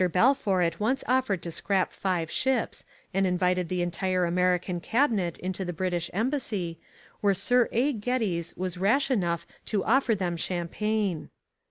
Balfour at once offered to scrap five ships, and invited the entire American cabinet into the British Embassy, where Sir A. Geddes was rash enough to offer them champagne.